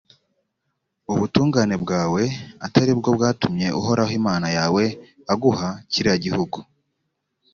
ubutungane bwawe atari bwo bwatumye uhoraho imana yawe aguha kiriya gihugu